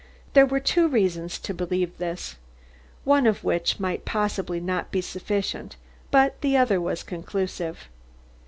There were two reasons to believe this, one of which might possibly not be sufficient, but the other was conclusive.